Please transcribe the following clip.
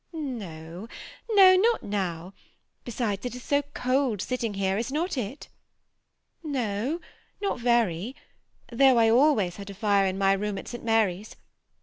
^^ No, no, not now ; besides, it is so cold sitting here, is not it ?" ^No, not very, though I always had a fire in m^ room at St. Mar/s.